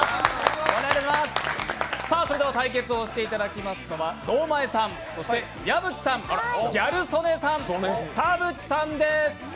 対決をしていただきますのは堂前さん、そして矢吹さん、ギャル曽根さん、田渕さんです。